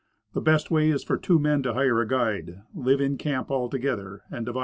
The better way is for two men to hire a guide, live in camp altogether, and divide the expense.